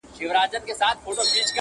دا د پنځو زرو کلونو کمالونو کیسې!!